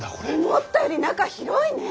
思ったより中広いね。